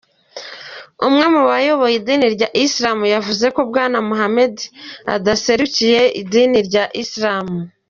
Umwe mu barongoye idini rya Islamu yavuze ko Bwana Muhammad adaserukira idini rya Islamu.